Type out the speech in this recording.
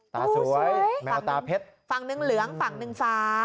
ตาสวยแมวตาราเทศฝั่งนึงเหลืองฝั่งนึงฟ้า